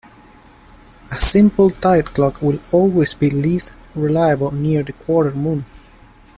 A simple tide clock will always be least reliable near the quarter moon.